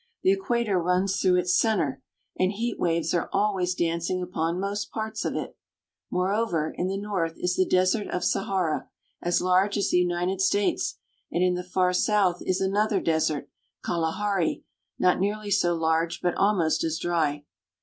The Equator runs through its center, and heat waves are always dancing upon most parts of it. Moreover, in the north is the Desert of Sahara (sa ha'ra), as large as the United States; and in the far south is another desert, Kalahari (ka la h a' re), not nearly so large but almost as dry.